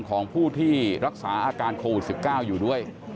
ของผู้ที่รักษาอาการโควิด๑๙อยู่ด้วย